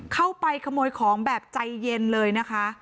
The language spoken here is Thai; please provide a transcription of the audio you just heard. เข้าไปขโมยของแบบใจเย็นเลยนะคะ